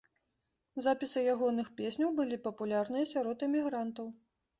Запісы ягоных песняў былі папулярныя сярод эмігрантаў.